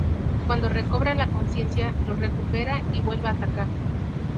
Cuando recobra la conciencia, los recupera y vuelve a atacar.